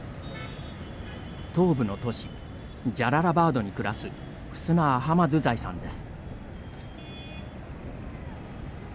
東部の都市ジャララバードに暮らすフスナ・アハマドゥザイさんです。